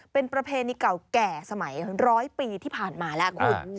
เป็นประเพณีเก่าแก่สมัย๑๐๐ปีที่ผ่านมาแล้วคุณ